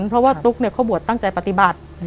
เพราะว่าตุ๊กเขาบวชตั้งใจปฏิบัติ